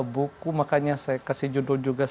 buku makanya saya kasih judul juga